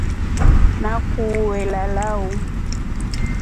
Nakuue lala uu.